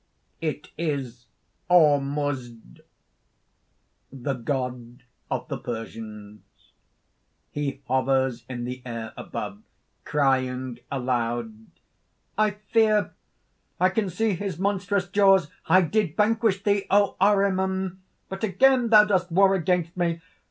_ It is ORMUZD the God of the Persians. He hovers in the air above, crying aloud:) "I fear! I can see his monstrous jaws! I did vanquish thee, O Ahriman! But again thou dost war against me.